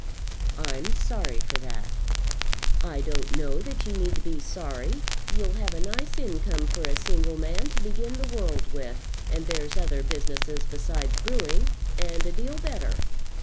"I'm sorry for that." "I don't know that you need be sorry. You'll have a nice income for a single man to begin the world with, and there's other businesses besides brewing, and a deal better."